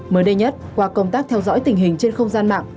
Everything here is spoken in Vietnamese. mới đây nhất qua công tác theo dõi tình hình trên không gian mạng